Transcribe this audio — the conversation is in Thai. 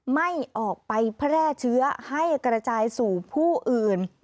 ไม่ออกไปแพร่เชื้อให้กระจายสู่ผู้อื่น